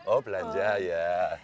oh belanja ya